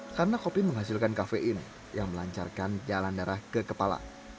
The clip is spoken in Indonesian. karena kopi menghasilkan kafein yang melancarkan jalan darah ke kepala